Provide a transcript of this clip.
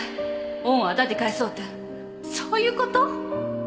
恩をあだで返そうってそういうこと？